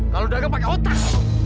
kalau udah gak pakai otak